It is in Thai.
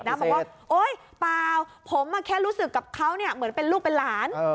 บอกว่าโอ๊ยเปล่าผมแค่รู้สึกกับเขาเหมือนเป็นลูกเป็นหลาน